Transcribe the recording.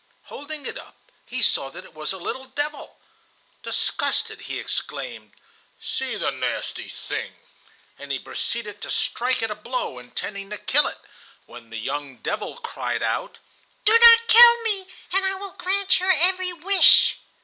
Holding it up he saw that it was a little devil. Disgusted, he exclaimed, "See the nasty thing," and he proceeded to strike it a blow, intending to kill it, when the young devil cried out: "Do not kill me, and I will grant your every wish."